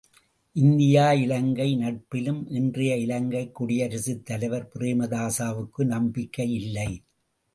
India Ilangai நட்பிலும் இன்றைய இலங்கை குடியரசுத் தலைவர் பிரேமதாசாவுக்கு நம்பிக்கையில்லை.